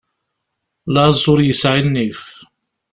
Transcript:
Laẓ ur yesɛi nnif.